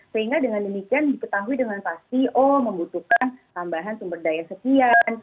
sehingga dengan demikian diketahui dengan pasti oh membutuhkan tambahan sumber daya sekian